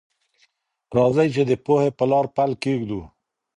راځئ چي د پوهي په لار پل کېږدو.